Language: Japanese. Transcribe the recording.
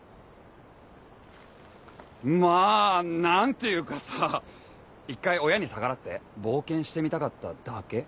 まあなんていうかさ一回親に逆らって冒険してみたかっただけ。